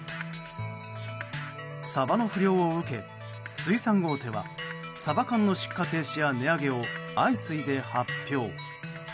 サバの不漁を受け水産大手はサバ缶の出荷停止や値上げを相次いで発表。